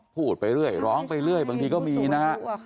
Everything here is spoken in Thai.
พูดไปเรื่อยร้องไปเรื่อยบางทีก็มีนะฮะ